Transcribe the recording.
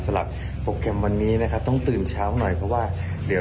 สำหรับโปรแกรมวันนี้นะครับต้องตื่นเช้าหน่อยเพราะว่าเดี๋ยว